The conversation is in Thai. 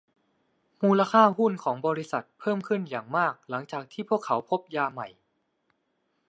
มูลค่าหุ้นของ บริษัท เพิ่มขึ้นอย่างมากหลังจากที่พวกเขาพบยาใหม่